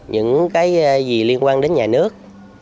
những cái gì liên quan đến nhà nước